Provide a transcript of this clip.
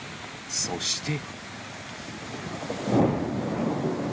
そして。